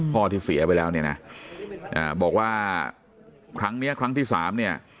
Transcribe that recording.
ที่เสียไปแล้วเนี่ยนะบอกว่าครั้งนี้ครั้งที่สามเนี่ย